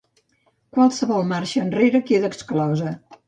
Qualsevol marxa enrere queda exclosa.